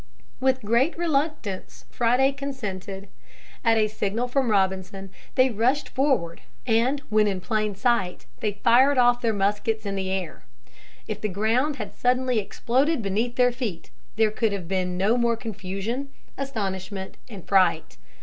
With great reluctance Friday consented. At a signal from Robinson they rushed forward, and when in plain sight they fired off their muskets in the air. If the ground had suddenly exploded beneath their feet there could have been no more confusion, astonishment, and fright.